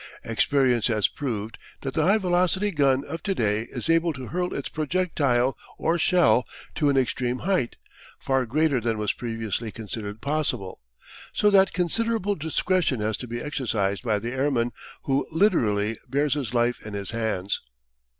Experience has proved that the high velocity gun of to day is able to hurl its projectile or shell to an extreme height far greater than was previously considered possible so that considerable discretion has to be exercised by the airman, who literally bears his life in his hands.